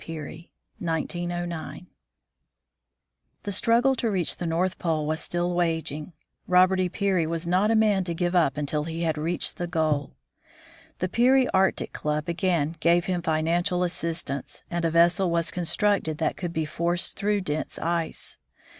PEARY 1909 The struggle to reach the North Pole was still waging. Robert E. Peary was not a man to give up until he had reached the goal. The Peary Arctic Club again gave him financial assistance, and a vessel was constructed that could be forced through dense ice.